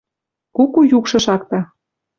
Куку юкшы шакта.